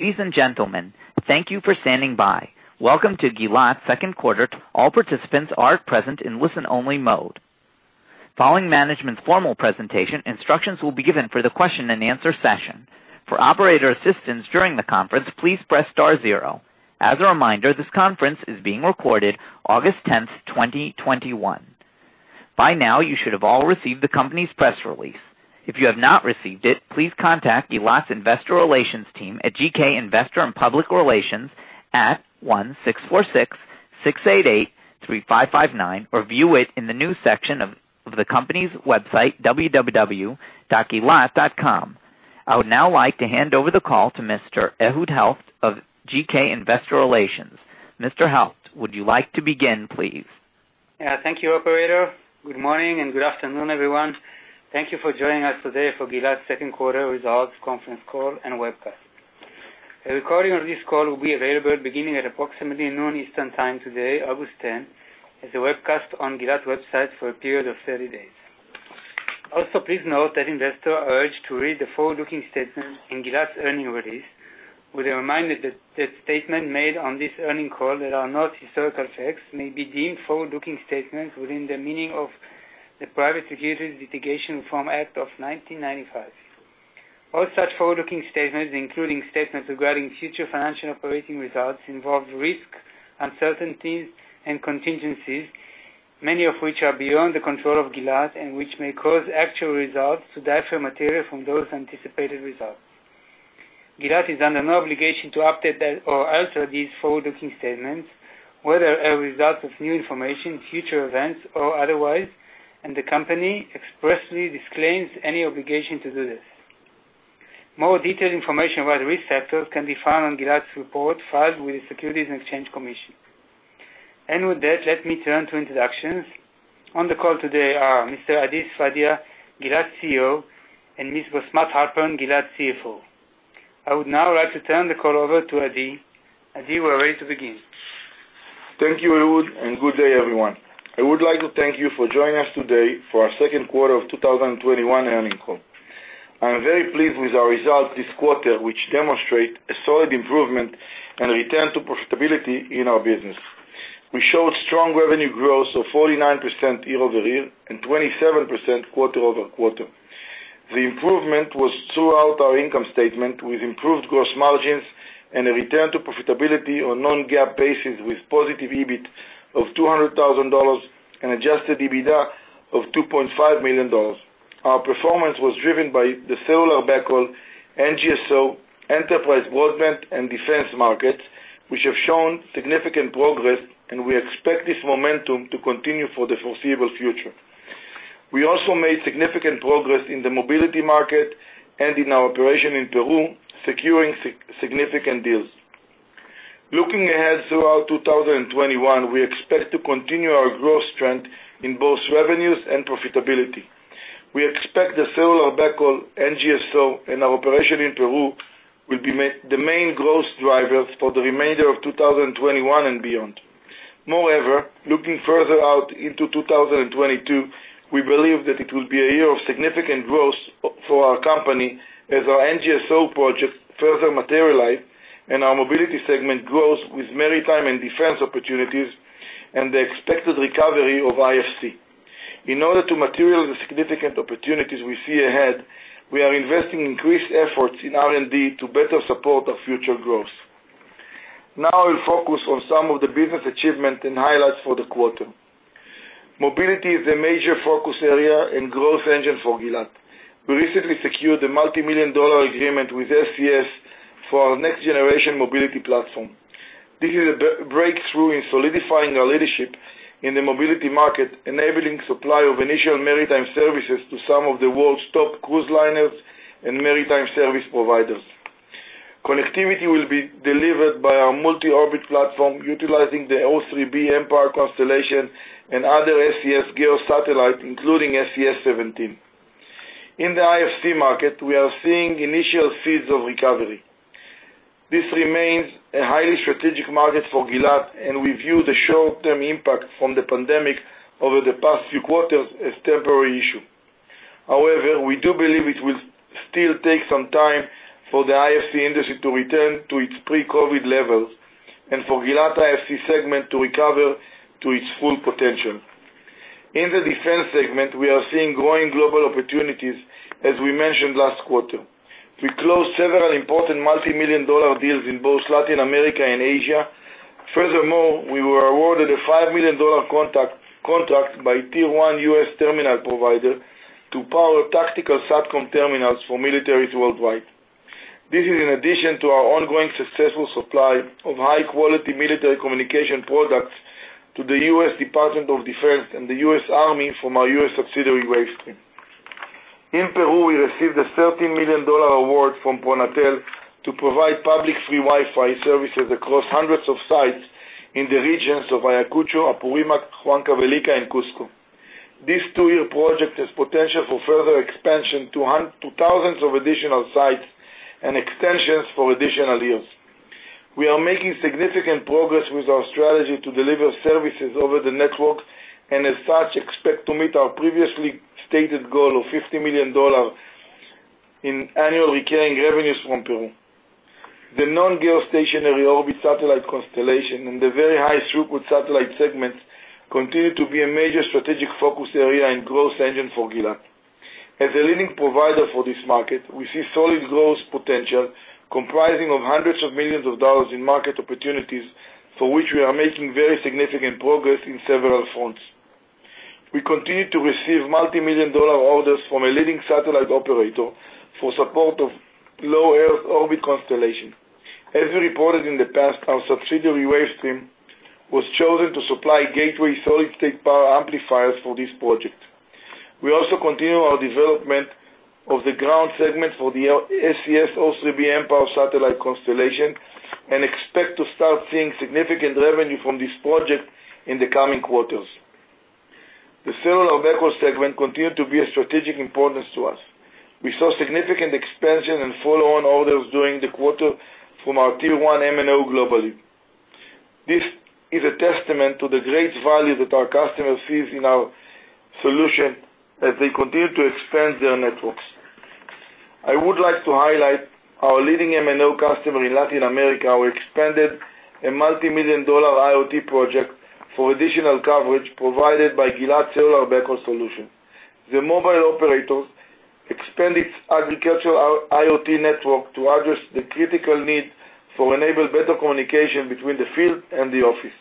Ladies and gentlemen, thank you for standing by. Welcome to Gilat second quarter. All participants are present in listen-only mode. Following management's formal presentation, instructions will be given for the question and answer session. For operator assistance during the conference, please press star zero. As a reminder, this conference is being recorded August 10th, 2021. By now, you should have all received the company's press release. If you have not received it, please contact Gilat's investor relations team at GK Investor and Public Relations at 1-646-688-3559 or view it in the news section of the company's website, www.gilat.com. I would now like to hand over the call to Mr. Ehud Helft of GK Investor Relations. Mr. Helft, would you like to begin, please? Thank you, operator. Good morning and good afternoon, everyone. Thank you for joining us today for Gilat's secondnd quarter results conference call and webcast. A recording of this call will be available beginning at approximately noon Eastern Time today, August 10, as a webcast on Gilat's website for a period of 30 days. Please note that investors are urged to read the forward-looking statements in Gilat's earnings release, with a reminder that statements made on this earnings call that are not historical facts may be deemed forward-looking statements within the meaning of the Private Securities Litigation Reform Act of 1995. All such forward-looking statements, including statements regarding future financial and operating results, involve risks, uncertainties, and contingencies, many of which are beyond the control of Gilat and which may cause actual results to differ materially from those anticipated results. Gilat is under no obligation to update or alter these forward-looking statements, whether as a result of new information, future events, or otherwise, and the company expressly disclaims any obligation to do this. More detailed information about risk factors can be found on Gilat's report filed with the Securities and Exchange Commission. With that, let me turn to introductions. On the call today are Mr. Adi Sfadia, Gilat CEO, and Ms. Bosmat Halpern, Gilat CFO. I would now like to turn the call over to Adi. Adi, we're ready to begin. Thank you, Ehud. Good day, everyone. I would like to thank you for joining us today for our second quarter of 2021 earnings call. I am very pleased with our results this quarter, which demonstrate a solid improvement and return to profitability in our business. We showed strong revenue growth of 49% year-over-year and 27% quarter-over-quarter. The improvement was throughout our income statement, with improved gross margins and a return to profitability on non-GAAP basis, with positive EBIT of $200,000 and adjusted EBITDA of $2.5 million. Our performance was driven by the cellular backhaul, NGSO, enterprise broadband, and defense markets, which have shown significant progress, and we expect this momentum to continue for the foreseeable future. We also made significant progress in the mobility market and in our operation in Peru, securing significant deals. Looking ahead throughout 2021, we expect to continue our growth trend in both revenues and profitability. We expect the cellular backhaul, NGSO, and our operation in Peru will be the main growth drivers for the remainder of 2021 and beyond. Moreover, looking further out into 2022, we believe that it will be a year of significant growth for our company as our NGSO project further materialize and our mobility segment grows with maritime and defense opportunities and the expected recovery of IFC. In order to materialize the significant opportunities we see ahead, we are investing increased efforts in R&D to better support our future growth. Now, I'll focus on some of the business achievement and highlights for the quarter. Mobility is a major focus area and growth engine for Gilat. We recently secured a multimillion-dollar agreement with SES for our next-generation mobility platform. This is a breakthrough in solidifying our leadership in the mobility market, enabling supply of initial maritime services to some of the world's top cruise liners and maritime service providers. Connectivity will be delivered by our multi-orbit platform utilizing the O3b mPOWER constellation and other SES GEO satellites, including SES-17. In the IFC market, we are seeing initial seeds of recovery. This remains a highly strategic market for Gilat, and we view the short-term impact from the pandemic over the past few quarters as temporary issue. However, we do believe it will still take some time for the IFC industry to return to its pre-COVID levels and for Gilat IFC segment to recover to its full potential. In the defense segment, we are seeing growing global opportunities, as we mentioned last quarter. We closed several important multimillion-dollar deals in both Latin America and Asia. Furthermore, we were awarded a $5 million contract by tier 1 U.S. terminal provider to power tactical SATCOM terminals for militaries worldwide. This is in addition to our ongoing successful supply of high-quality military communication products to the U.S. Department of Defense and the U.S. Army from our U.S. subsidiary, Wavestream. In Peru, we received a $30 million award from Pronatel to provide public free Wi-Fi services across hundreds of sites in the regions of Ayacucho, Apurimac, Huancavelica, and Cusco. This two-year project has potential for further expansion to thousands of additional sites and extensions for additional years. We are making significant progress with our strategy to deliver services over the network and as such expect to meet our previously stated goal of $50 million in annual recurring revenues from Peru. The non-geostationary orbit satellite constellation and the very high throughput satellite segments continue to be a major strategic focus area and growth engine for Gilat. As a leading provider for this market, we see solid growth potential comprising of hundreds of millions of dollars in market opportunities, for which we are making very significant progress in several fronts. We continue to receive multi-million dollar orders from a leading satellite operator for support of low Earth orbit constellation. As we reported in the past, our subsidiary Wavestream was chosen to supply gateway solid-state power amplifiers for this project. We also continue our development of the ground segment for the SES O3b mPOWER satellite constellation and expect to start seeing significant revenue from this project in the coming quarters. The cellular backhaul segment continued to be of strategic importance to us. We saw significant expansion and follow-on orders during the quarter from our Tier 1 MNO globally. This is a testament to the great value that our customers see in our solution as they continue to expand their networks. I would like to highlight our leading MNO customer in Latin America who expanded a multi-million dollar IoT project for additional coverage provided by Gilat Cellular Backhaul solution. The mobile operator expand its agricultural IoT network to address the critical need to enable better communication between the field and the office.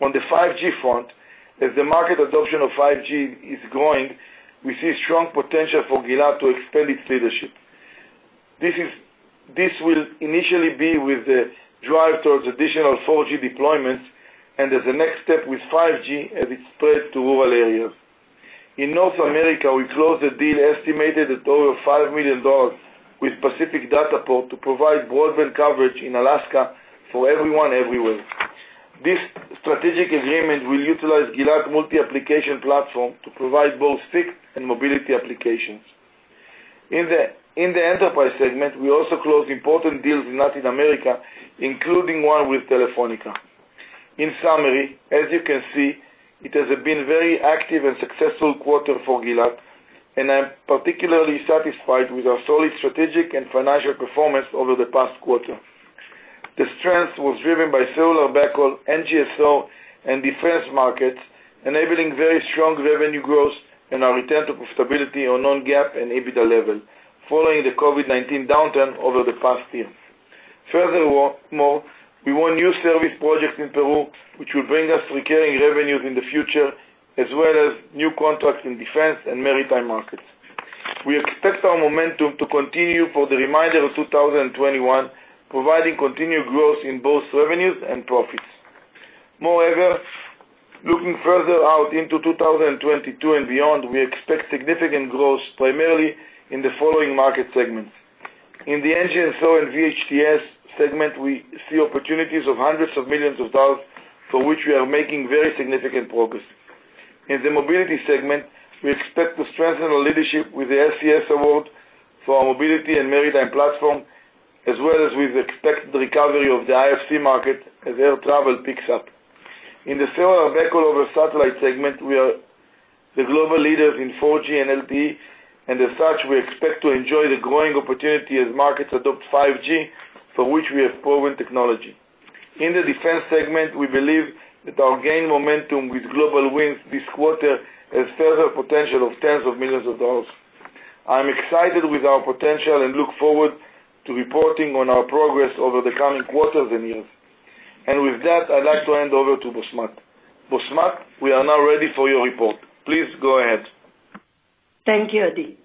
On the 5G front, as the market adoption of 5G is growing, we see strong potential for Gilat to expand its leadership. This will initially be with the drive towards additional 4G deployments and as a next step with 5G as it spread to rural areas. In North America, we closed a deal estimated at over $5 million with Pacific Dataport to provide broadband coverage in Alaska for everyone, everywhere. This strategic agreement will utilize Gilat multi-application platform to provide both fixed and mobility applications. In the enterprise segment, we also closed important deals in Latin America, including one with Telefónica. In summary, as you can see, it has been very active and successful quarter for Gilat, and I'm particularly satisfied with our solid strategic and financial performance over the past quarter. The strength was driven by cellular backhaul, NGSO, and defense markets, enabling very strong revenue growth and our return to profitability on non-GAAP and EBITDA level following the COVID-19 downturn over the past year. Furthermore, we won new service projects in Peru, which will bring us recurring revenues in the future, as well as new contracts in defense and maritime markets. We expect our momentum to continue for the remainder of 2021, providing continued growth in both revenues and profits. Moreover, looking further out into 2022 and beyond, we expect significant growth primarily in the following market segments. In the NGSO and VHTS segment, we see opportunities of hundreds of millions of dollars, for which we are making very significant progress. In the mobility segment, we expect to strengthen our leadership with the SES award for our mobility and maritime platform, as well as with the expected recovery of the IFC market as air travel picks up. In the cellular backhaul over satellite segment, we are the global leaders in 4G and LTE, and as such, we expect to enjoy the growing opportunity as markets adopt 5G, for which we have proven technology. In the defense segment, we believe that our gained momentum with global wins this quarter has further potential of tens of millions of dollars. I'm excited with our potential and look forward to reporting on our progress over the coming quarters and years. With that, I'd like to hand over to Bosmat. Bosmat, we are now ready for your report. Please go ahead. Thank you, Adi.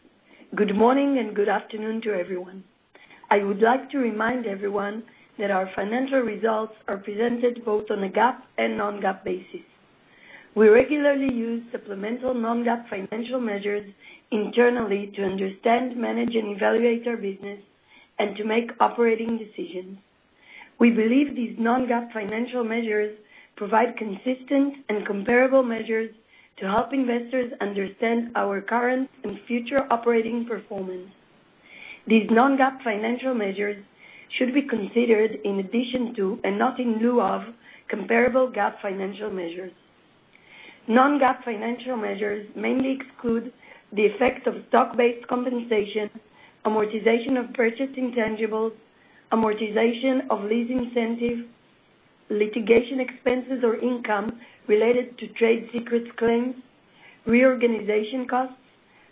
Good morning and good afternoon to everyone. I would like to remind everyone that our financial results are presented both on a GAAP and non-GAAP basis. We regularly use supplemental non-GAAP financial measures internally to understand, manage, and evaluate our business and to make operating decisions. We believe these non-GAAP financial measures provide consistent and comparable measures to help investors understand our current and future operating performance. These non-GAAP financial measures should be considered in addition to and not in lieu of comparable GAAP financial measures. Non-GAAP financial measures mainly exclude the effect of stock-based compensation, amortization of purchased intangibles, amortization of lease incentive, litigation expenses or income related to trade secrets claims, reorganization costs,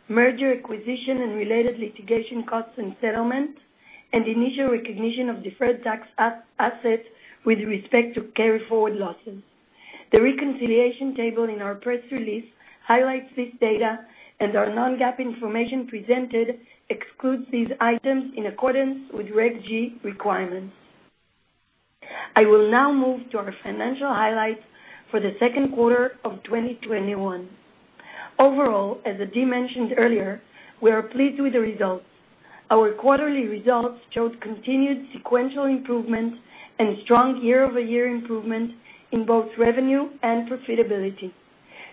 merger acquisition, and related litigation costs and settlement, and initial recognition of deferred tax assets with respect to carryforward losses. The reconciliation table in our press release highlights this data, and our non-GAAP information presented excludes these items in accordance with Regulation G requirements. I will now move to our financial highlights for the second quarter of 2021. Overall, as Adi mentioned earlier, we are pleased with the results. Our quarterly results showed continued sequential improvement and strong year-over-year improvement in both revenue and profitability.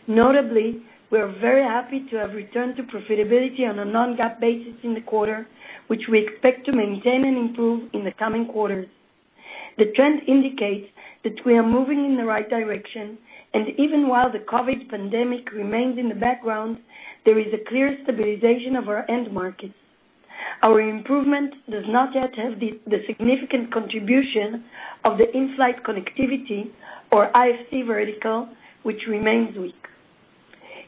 Notably, we are very happy to have returned to profitability on a non-GAAP basis in the quarter, which we expect to maintain and improve in the coming quarters. The trend indicates that we are moving in the right direction, and even while the COVID-19 pandemic remains in the background, there is a clear stabilization of our end markets. Our improvement does not yet have the significant contribution of the in-flight connectivity or IFC vertical, which remains weak.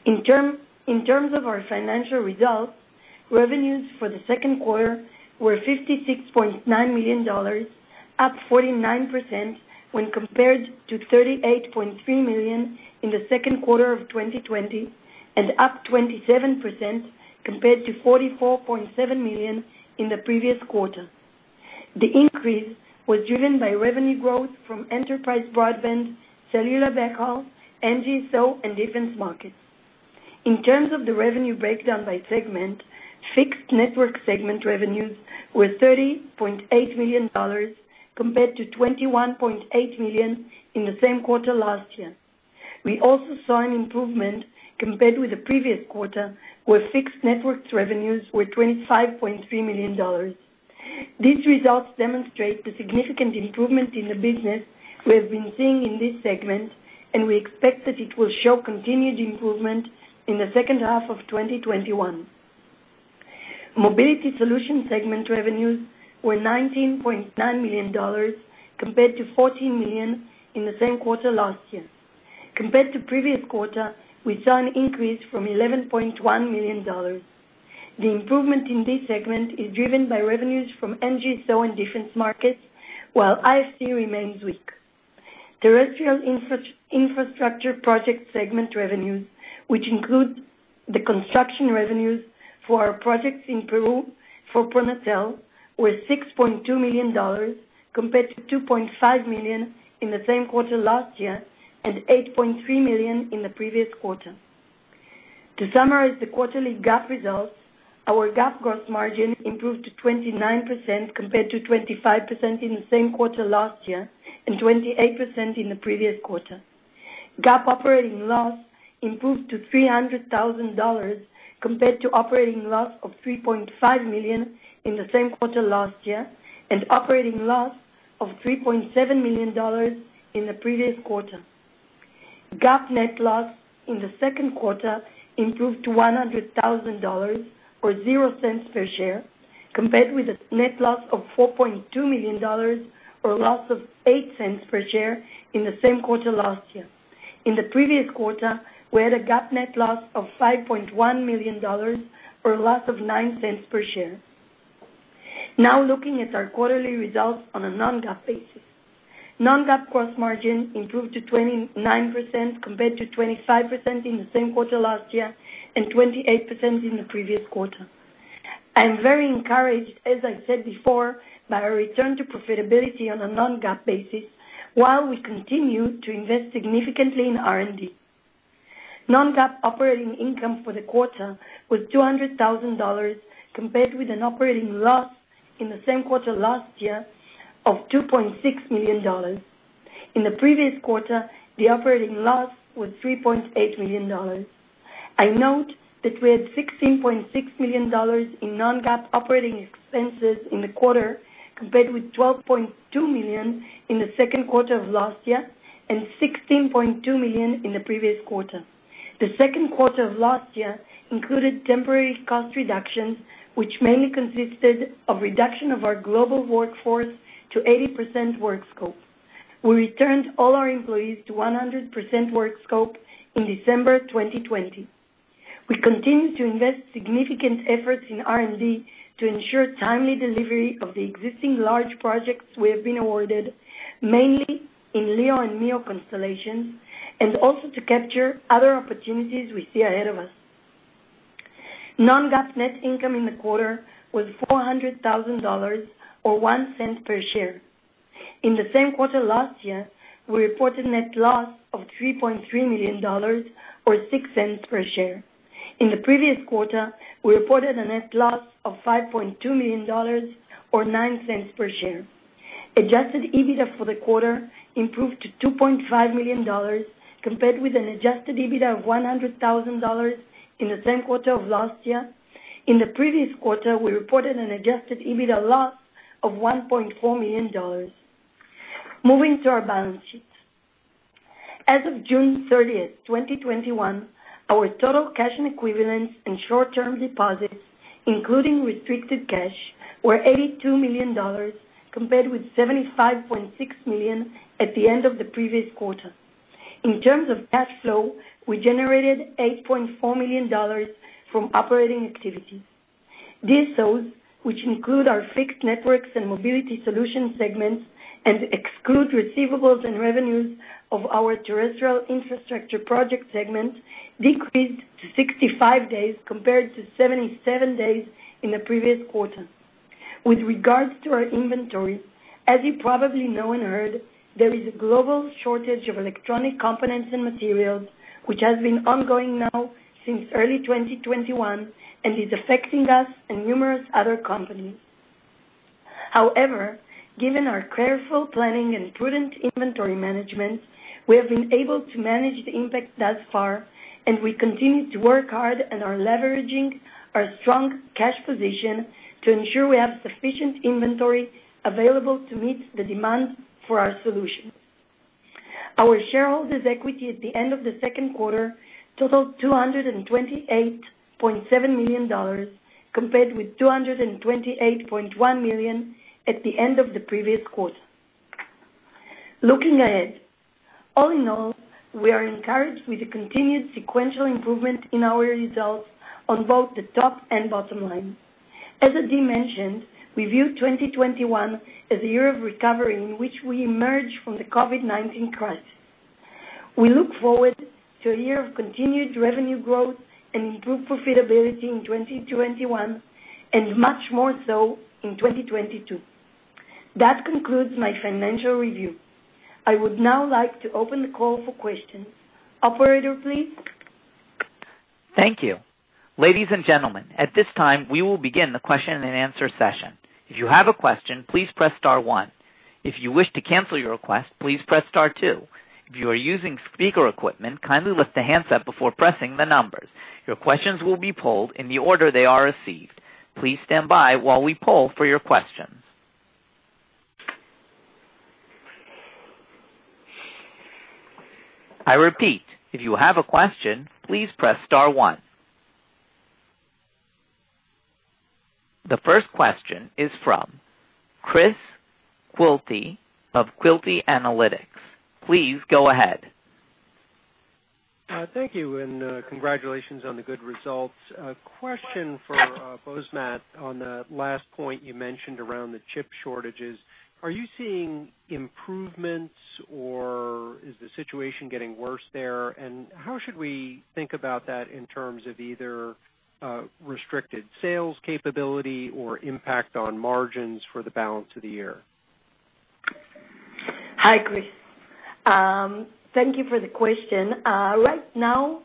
In terms of our financial results, revenues for the second quarter were $56.9 million, up 49% when compared to $38.3 million in the second quarter of 2020, and up 27% compared to $44.7 million in the previous quarter. The increase was driven by revenue growth from enterprise broadband, cellular backhaul, NGSO, and defense markets. In terms of the revenue breakdown by segment, Fixed Network Segment revenues were $30.8 million compared to $21.8 million in the same quarter last year. We also saw an improvement compared with the previous quarter, where Fixed Networks revenues were $25.3 million. These results demonstrate the significant improvement in the business we have been seeing in this segment, and we expect that it will show continued improvement in the second half of 2021. Mobility Solution Segment revenues were $19.9 million compared to $14 million in the same quarter last year. Compared to the previous quarter, we saw an increase from $11.1 million. The improvement in this segment is driven by revenues from NGSO and defense markets, while IFC remains weak. Terrestrial infrastructure project segment revenues, which include the construction revenues for our projects in Peru for Pronatel, were $6.2 million compared to $2.5 million in the same quarter last year and $8.3 million in the previous quarter. To summarize the quarterly GAAP results, our GAAP gross margin improved to 29% compared to 25% in the same quarter last year and 28% in the previous quarter. GAAP operating loss improved to $300,000 compared to operating loss of $3.5 million in the same quarter last year and operating loss of $3.7 million in the previous quarter. GAAP net loss in the second quarter improved to $100,000 or $0.00 per share, compared with a net loss of $4.2 million or a loss of $0.08 per share in the same quarter last year. In the previous quarter, we had a GAAP net loss of $5.1 million or a loss of $0.09 per share. Looking at our quarterly results on a non-GAAP basis. Non-GAAP gross margin improved to 29% compared to 25% in the same quarter last year and 28% in the previous quarter. I am very encouraged, as I said before, by our return to profitability on a non-GAAP basis while we continue to invest significantly in R&D. Non-GAAP operating income for the quarter was $200,000 compared with an operating loss in the same quarter last year of $2.6 million. In the previous quarter, the operating loss was $3.8 million. I note that we had $16.6 million in non-GAAP operating expenses in the quarter compared with $12.2 million in the second quarter of last year and $16.2 million in the previous quarter. The second quarter of last year included temporary cost reductions, which mainly consisted of reduction of our global workforce to 80% work scope. We returned all our employees to 100% work scope in December 2020. We continue to invest significant efforts in R&D to ensure timely delivery of the existing large projects we have been awarded, mainly in LEO and MEO constellations, and also to capture other opportunities we see ahead of us. Non-GAAP net income in the quarter was $400,000 or $0.01 per share. In the same quarter last year, we reported net loss of $3.3 million or $0.06 per share. In the previous quarter, we reported a net loss of $5.2 million or $0.09 per share. Adjusted EBITDA for the quarter improved to $2.5 million compared with an adjusted EBITDA of $100,000 in the same quarter of last year. In the previous quarter, we reported an adjusted EBITDA loss of $1.4 million. Moving to our balance sheet. As of June 30th, 2021, our total cash and equivalents in short-term deposits, including restricted cash, were $82 million, compared with $75.6 million at the end of the previous quarter. In terms of cash flow, we generated $8.4 million from operating activities. These days, which include our Fixed Networks and Mobility Solution segments and exclude receivables and revenues of our Terrestrial Infrastructure Project segment, decreased to 65 days compared to 77 days in the previous quarter. With regards to our inventory, as you probably know and heard, there is a global shortage of electronic components and materials, which has been ongoing now since early 2021 and is affecting us and numerous other companies. Given our careful planning and prudent inventory management, we have been able to manage the impact thus far, and we continue to work hard and are leveraging our strong cash position to ensure we have sufficient inventory available to meet the demand for our solutions. Our shareholders' equity at the end of the second quarter totaled $228.7 million, compared with $228.1 million at the end of the previous quarter. Looking ahead, all in all, we are encouraged with the continued sequential improvement in our results on both the top and bottom line. As Adi mentioned, we view 2021 as a year of recovery in which we emerge from the COVID-19 crisis. We look forward to a year of continued revenue growth and improved profitability in 2021, and much more so in 2022. That concludes my financial review. I would now like to open the call for questions. Operator, please. The first question is from Chris Quilty of Quilty Analytics. Please go ahead. Thank you, and congratulations on the good results. A question for Bosmat on the last point you mentioned around the chip shortages. Are you seeing improvements or is the situation getting worse there? How should we think about that in terms of either restricted sales capability or impact on margins for the balance of the year? Hi, Chris. Thank you for the question. Right now,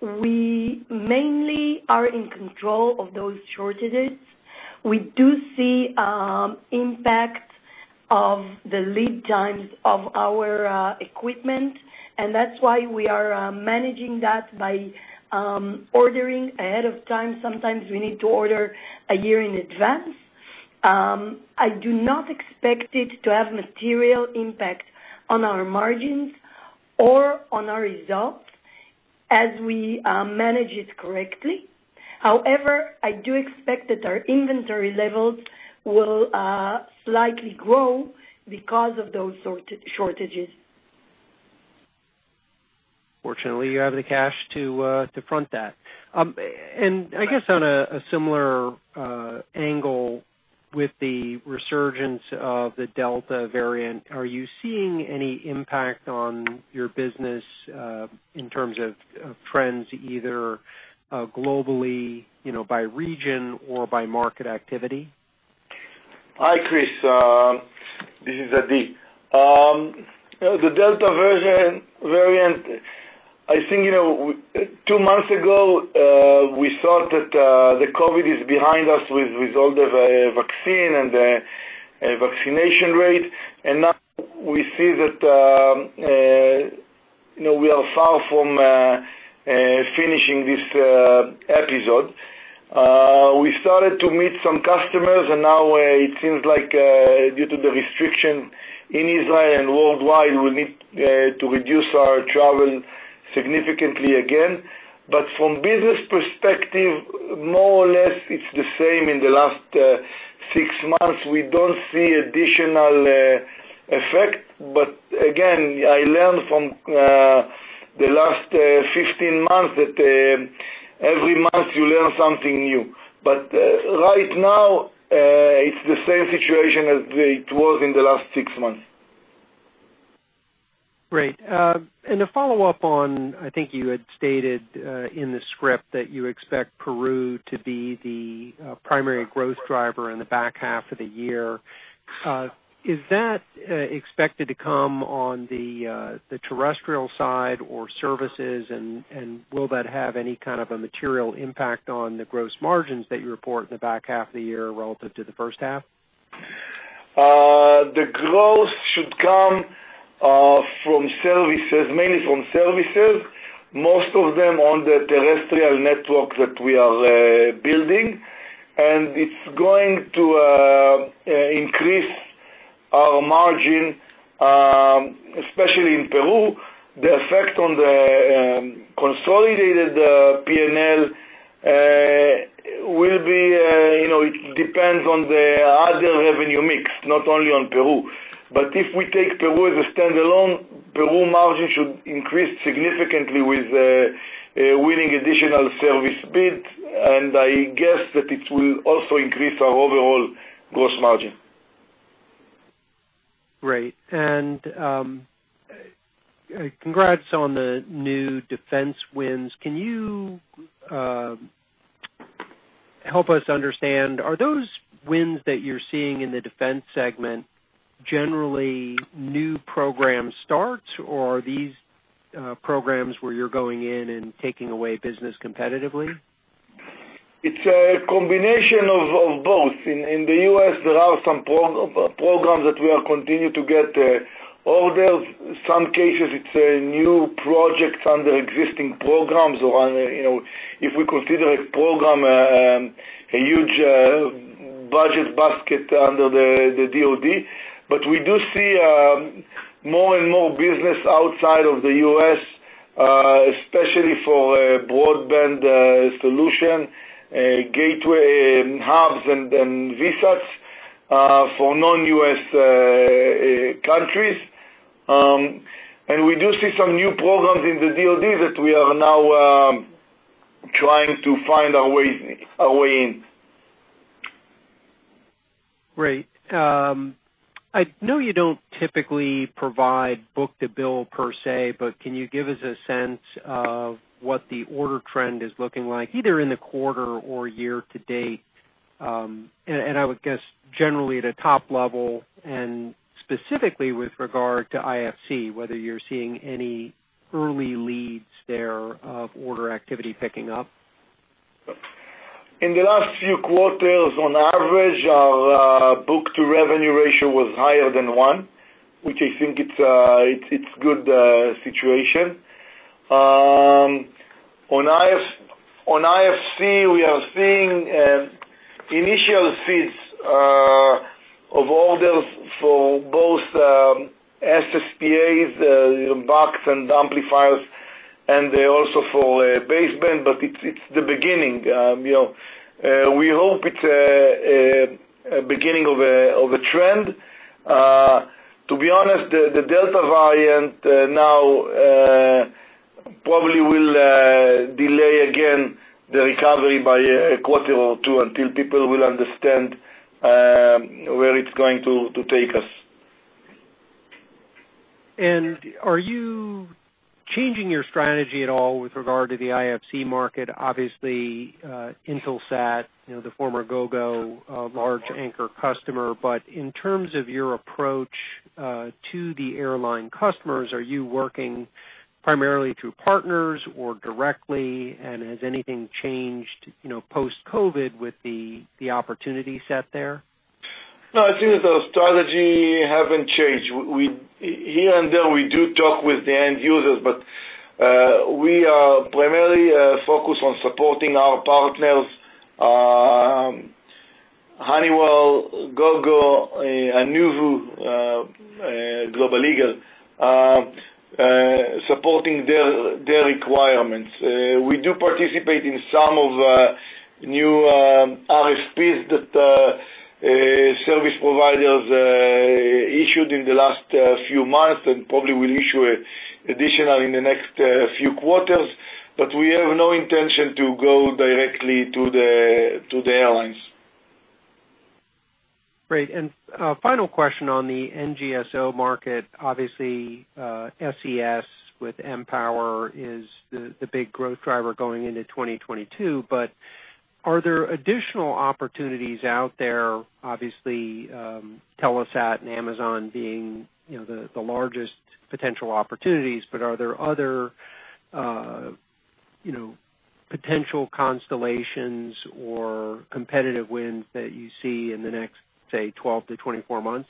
we mainly are in control of those shortages. We do see impact of the lead times of our equipment, and that's why we are managing that by ordering ahead of time. Sometimes we need to order a year in advance. I do not expect it to have material impact on our margins or on our results as we manage it correctly. However, I do expect that our inventory levels will slightly grow because of those shortages. Fortunately, you have the cash to front that. I guess on a similar angle with the resurgence of the Delta variant, are you seeing any impact on your business in terms of trends, either globally by region or by market activity? Hi, Chris. This is Adi. The Delta variant, I think two months ago, we thought that the COVID-19 is behind us with all the vaccine and the vaccination rate. Now we see that we are far from finishing this episode. We started to meet some customers, and now it seems like due to the restriction in Israel and worldwide, we need to reduce our travel significantly again. From business perspective, more or less, it's the same in the last six months. We don't see additional effect, but again, I learned from the last 15 months that every month you learn something new. Right now, it's the same situation as it was in the last six months. Great. To follow up on, I think you had stated in the script that you expect Peru to be the primary growth driver in the back half of the year. Is that expected to come on the terrestrial side or services? Will that have any kind of a material impact on the gross margins that you report in the back half of the year relative to the first half? The growth should come from services, mainly from services, most of them on the terrestrial network that we are building. It's going to increase our margin, especially in Peru. The effect on the consolidated P&L will be, it depends on the other revenue mix, not only on Peru. If we take Peru as a standalone, Peru margin should increase significantly with winning additional service bids, and I guess that it will also increase our overall gross margin. Great. Congrats on the new Defense wins. Can you help us understand, are those wins that you're seeing in the Defense segment generally new program starts, or programs where you're going in and taking away business competitively? It's a combination of both. In the U.S., there are some programs that we are continue to get orders. Some cases, it's a new project under existing programs, or if we consider a program a huge budget basket under the DoD. We do see more and more business outside of the U.S., especially for broadband solution, gateway hubs, and VSATs for non-U.S. countries. We do see some new programs in the DoD that we are now trying to find our way in. Great. I know you don't typically provide book-to-bill per se, can you give us a sense of what the order trend is looking like, either in the quarter or year to date? I would guess, generally at a top level and specifically with regard to IFC, whether you're seeing any early leads there of order activity picking up. In the last few quarters, on average, our book to revenue ratio was higher than one, which I think it's good situation. On IFC, we are seeing initial seeds of orders for both SSPAs, boxes, and amplifiers, they also for baseband. It's the beginning. We hope it's a beginning of a trend. To be honest, the Delta variant now probably will delay again the recovery by a quarter or two until people will understand where it's going to take us. Are you changing your strategy at all with regard to the IFC market? Obviously, Intelsat, the former Gogo, a large anchor customer. In terms of your approach to the airline customers, are you working primarily through partners or directly? Has anything changed post-COVID with the opportunity set there? No, I think the strategy haven't changed. Here and there, we do talk with the end users, we are primarily focused on supporting our partners, Honeywell, Gogo, and Anuvu, Global Eagle, supporting their requirements. We do participate in some of new RFPs that service providers issued in the last few months and probably will issue additional in the next few quarters. We have no intention to go directly to the airlines. Great. Final question on the NGSO market. Obviously, SES with O3b mPOWER is the big growth driver going into 2022. Are there additional opportunities out there? Obviously, Telesat and Amazon being the largest potential opportunities, are there other potential constellations or competitive wins that you see in the next, say, 12-24 months?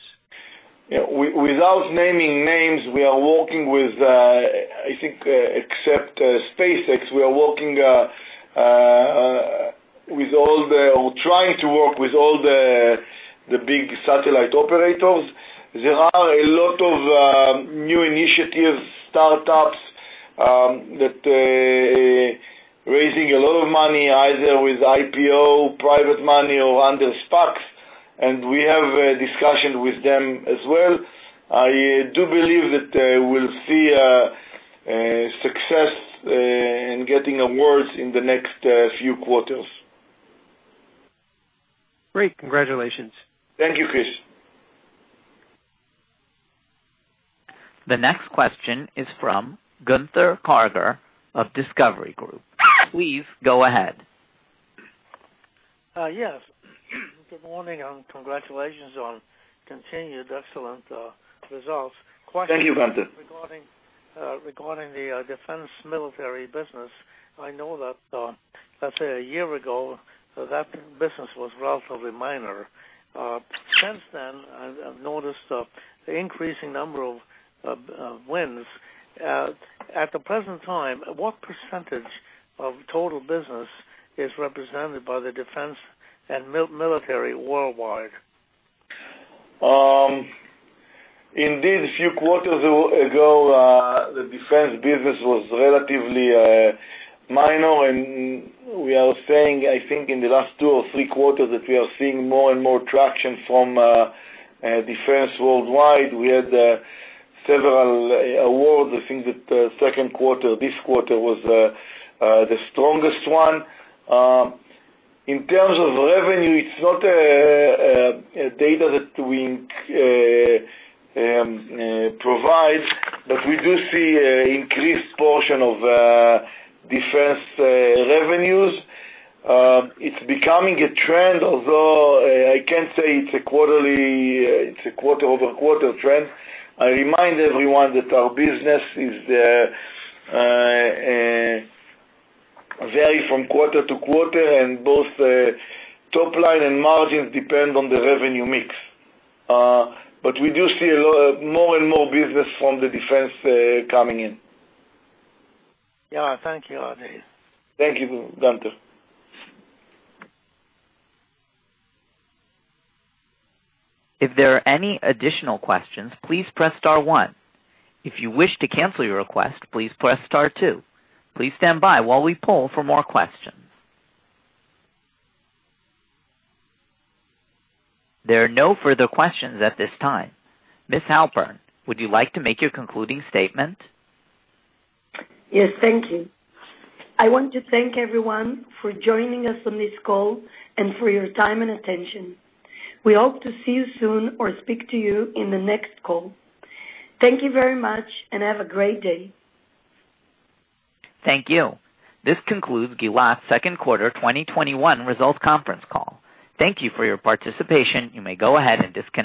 Without naming names, we are working with, I think except SpaceX, we are working with all the, or trying to work with all the big satellite operators. There are a lot of new initiatives, startups, that raising a lot of money, either with IPO, private money, or under SPACs, and we have a discussion with them as well. I do believe that we'll see a success in getting awards in the next few quarters. Great. Congratulations. Thank you, Chris. The next question is from Gunther Karger of Discovery Group. Please go ahead. Yes. Good morning and congratulations on continued excellent results. Thank you, Gunther. Question regarding the defense military business. I know that, let's say a year ago, that business was relatively minor. Since then, I've noticed the increasing number of wins. At the present time, what percentage of total business is represented by the defense and military worldwide? Indeed, a few quarters ago, the defense business was relatively minor, and we are saying, I think in the last two or three quarters, that we are seeing more and more traction from defense worldwide. We had several awards. I think that second quarter, this quarter, was the strongest one. In terms of revenue, it's not a data that we provide, but we do see increased portion of defense revenues. It's becoming a trend, although I can't say it's a quarter-over-quarter trend. I remind everyone that our business vary from quarter to quarter, and both top line and margins depend on the revenue mix. We do see more and more business from the defense coming in. Yeah. Thank you, Adi. Thank you, Gunther. There are no further questions at this time. Ms. Halpern, would you like to make your concluding statement? Yes. Thank you. I want to thank everyone for joining us on this call and for your time and attention. We hope to see you soon or speak to you in the next call. Thank you very much, and have a great day. Thank you. This concludes Gilat's second quarter 2021 results conference call. Thank you for your participation. You may go ahead and disconnect.